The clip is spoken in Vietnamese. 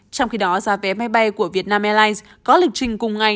trong khi đó giá vé máy bay của vietnam airlines có lịch trình cùng ngày